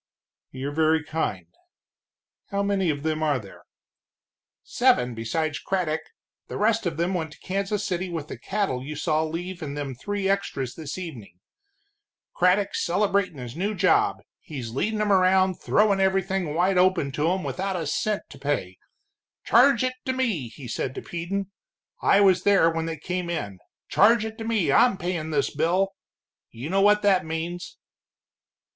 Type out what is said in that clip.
"You're very kind. How many of them are there?" "Seven besides Craddock, the rest of them went to Kansas City with the cattle you saw leave in them three extras this evening. Craddock's celebratin' his new job, he's leadin' 'em around throwin' everything wide open to 'em without a cent to pay. 'Charge it to me' he said to Peden I was there when they came in 'charge it to me, I'm payin' this bill.' You know what that means."